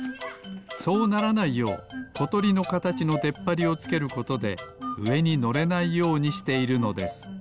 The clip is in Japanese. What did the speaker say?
そうならないようことりのかたちのでっぱりをつけることでうえにのれないようにしているのです。